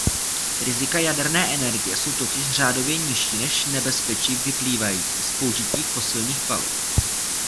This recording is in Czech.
Rizika jaderné energie jsou totiž "řádově nižší" než nebezpečí vyplývající z použití fosilních paliv.